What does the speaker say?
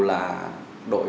là một cái